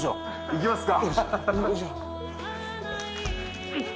いきますか。